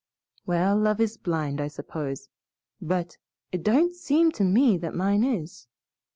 "Well, love is blind, I suppose, but it don't seem to me that mine is.